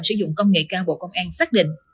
sử dụng công nghệ cao bộ công an xác định